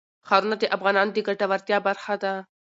ښارونه د افغانانو د ګټورتیا برخه ده.